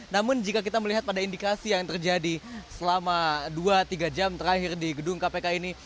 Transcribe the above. namun jika kita melihat pada indikasi yang terjadi selama dua tiga jam terakhir di gedung kpk ini